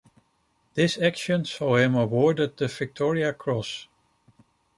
This action saw him awarded the Victoria Cross.